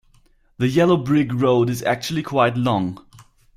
The yellow brick road is actually quite long.